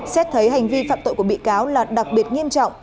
xét thấy hành vi phạm tội của bị cáo là đặc biệt nghiêm trọng